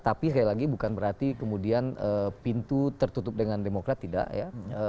tapi sekali lagi bukan berarti kemudian pintu tertutup dengan demokrat tidak ya